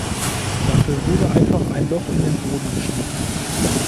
Dafür wurde einfach ein Loch in den Boden geschnitten.